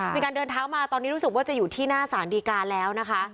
มีการเดินเท้ามาตอนนี้รู้สึกว่าจะอยู่ที่หน้าสารดีการแล้วนะคะ